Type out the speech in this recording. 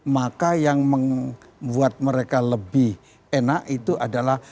maka yang membuat mereka lebih enak itu adalah